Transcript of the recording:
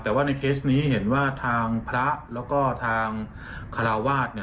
แต่ว่าในเคสนี้เห็นว่าทางพระแล้วก็ทางคาราวาส